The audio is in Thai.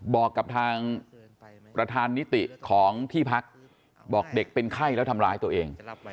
บอกกับทางประธานนิติของที่พักบอกเด็กเป็นไข้แล้วทำร้ายตัวเอง